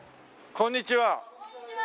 こんにちは！